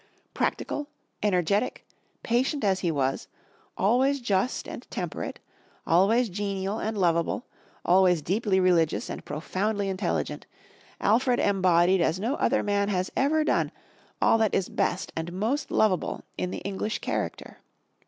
Practi cal, energetic, patient as he was, always just and temperate, al ways genial and lovable, always deeply religious and profoundly intelligent, Alfred embodied as no other man has ever done, all that is best and most lovable in the Eng lish character.